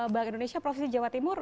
bank indonesia provinsi jawa timur